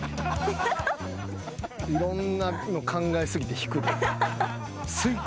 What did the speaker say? いろんなの考え過ぎて引くで。